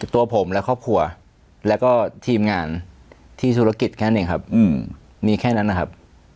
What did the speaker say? ตัวผมและครอบครัวแล้วก็ทีมงานที่ธุรกิจแค่นี้ครับมีแค่นั้นนะครับ